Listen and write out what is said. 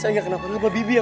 saya nggak kenapa apa bi bi ya